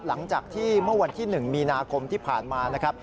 หลังจากที่เมื่อวันที่๑มีนาคมที่ผ่านมานะครับ